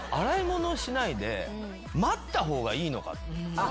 待った方がいいのか。